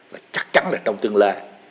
và chắc chắn là trong tương lai